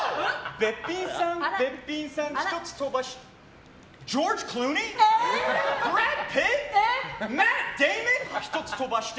べっぴんさんべっぴんさん１つ飛ばして。